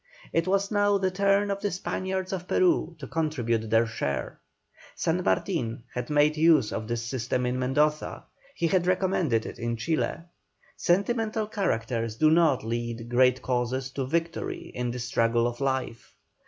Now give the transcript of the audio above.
It was now the turn of the Spaniards of Peru to contribute their share. San Martin had made use of this system in Mendoza, he had recommended it in Chile. Sentimental characters do not lead great causes to victory in the struggle of life.